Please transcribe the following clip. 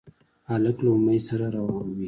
هلک له امید سره روان وي.